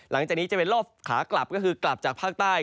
หลังจากนี้จะเป็นรอบขากลับก็คือกลับจากภาคใต้